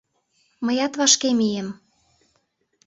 Мыят вашке мием.